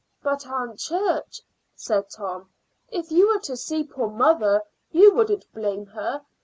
"But, Aunt Church," said Tom, "if you were to see poor mother you wouldn't blame her.